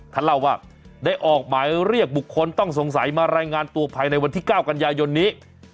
ท่านเล่าว่าได้ออกหมายเรียกบุคคลต้องสงสัยมารายงานตัวภายในวันที่๙กันยายนนี้